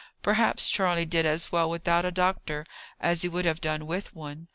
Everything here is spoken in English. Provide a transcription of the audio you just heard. Perhaps Charley did as well without a doctor as he would have done with one.